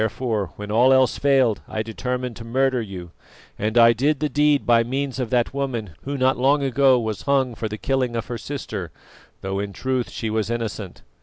Therefore, when all else failed, I determined to murder you, and I did the deed by means of that woman who not long ago was hung for the killing of her sister, though in truth she was innocent."